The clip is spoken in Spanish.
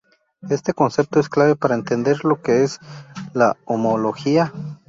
Este concepto es clave para entender lo que es la homología.